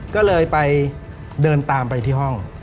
ก็เลยไปเดินตามไปที่ห้อง